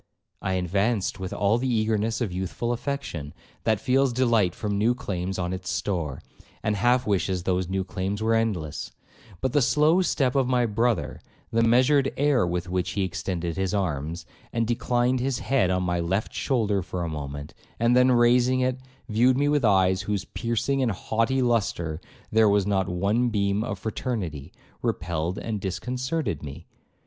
I advanced with all the eagerness of youthful affection, that feels delight from new claims on its store, and half wishes those new claims were endless; but the slow step of my brother, the measured air with which he extended his arms, and declined his head on my left shoulder for a moment, and then raising it, viewed me with eyes in whose piercing and haughty lustre there was not one beam of fraternity, repelled and disconcerted me.